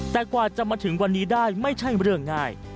แต่กว่าจะมาถึงวันนี้ได้ไม่ใช่เรื่องง่าย